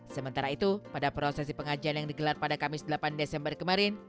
sementara itu pada prosesi pengajian yang digelar pada kamis delapan desember kemarin